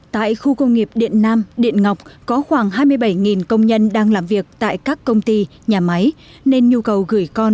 tại khu công nghiệp điện nam điện ngọc có khoảng hai mươi bảy công nhân đang làm việc tại các công ty nhà máy nên nhu cầu gửi con